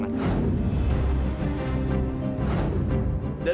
sepuluh tahun semakin lama